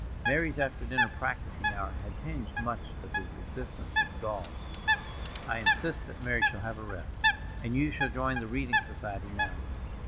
Mary's after dinner practicing hour had tinged much of his existence with gall. "I insist that Mary shall have a rest. And you shall join the reading society now.